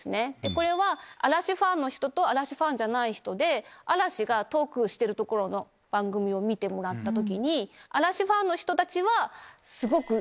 これは嵐ファンの人と嵐ファンじゃない人で嵐がトークしてるところの番組を見てもらった時。